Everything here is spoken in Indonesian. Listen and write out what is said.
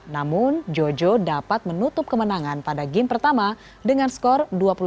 namun jojo dapat menutup kemenangan pada game pertama dengan skor dua puluh satu